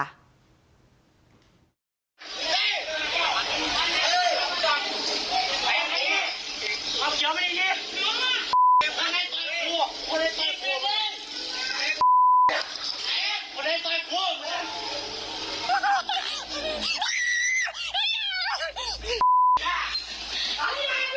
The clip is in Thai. พักเลยพักอะอ่าอาา